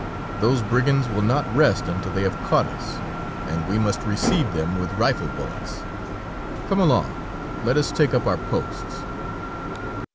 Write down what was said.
Those brigands will not rest until they have caught us, and we must receive them with rifle bullets. Come along; let us take up our posts!"